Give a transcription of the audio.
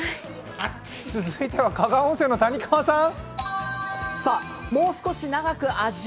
続いては、加賀温泉の谷川さん。